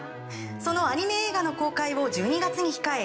そのアニメ映画の公開を１２月に控え